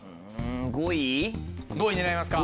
５位狙いますか？